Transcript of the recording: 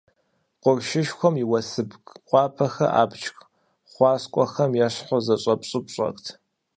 Къуршышхуэм и уэсыбг къуапэхэр, абдж хъуаскуэхэм ещхьу, зэщӀэпщӀыпщӀэрт.